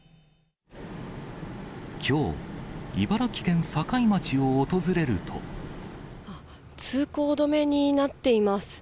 きょう、あっ、通行止めになっています。